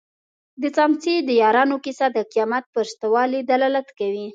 د څمڅې د یارانو کيسه د قيامت پر شته والي دلالت کوي.